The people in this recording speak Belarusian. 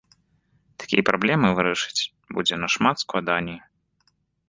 Такія праблемы вырашыць будзе нашмат складаней.